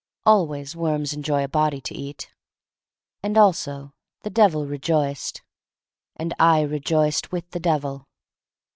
Always worms enjoy a body to eat. And also the Devil rejoiced. And I rejoiced with the Devil.